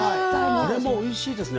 これもおいしいですね。